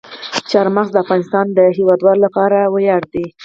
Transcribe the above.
چار مغز د افغانستان د هیوادوالو لپاره ویاړ دی.